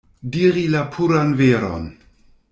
Diri la puran veron.